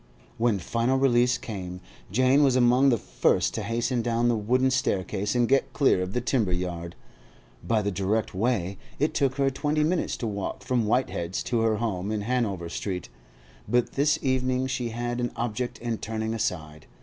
When final release came, Jane was among the first to hasten down the wooden staircase and get clear of the timber yard. By the direct way, it took her twenty minutes to walk from Whitehead's to her home in Hanover Street, but this evening she had an object in turning aside.